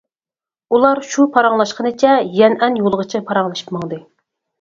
ئۇلار شۇ پاراڭلاشقىنىچە يەنئەن يولىغىچە پاراڭلىشىپ ماڭدى.